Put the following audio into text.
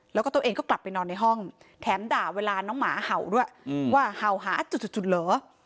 แล้วก็ตัวเองก็กลับไปนอนในห้องแถมด่าเวลาน้องหมาเห่าด้วยว่าเห่าหาจุดเหรอ